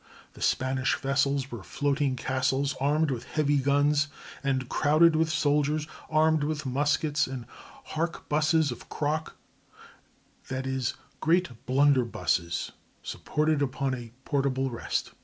The Spanish vessels were floating castles armed with heavy guns and crowded with soldiers armed with muskets and "harquebuses of crock,"—that is, great blunderbusses supported upon a portable rest.